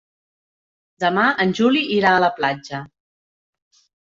Demà en Juli irà a la platja.